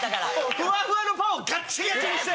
ふわふわのパンをガッチガチにして。